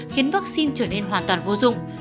khiến vaccine trở nên hoàn toàn vô dụng